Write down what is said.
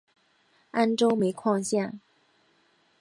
安州煤矿线